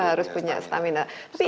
harus punya stamina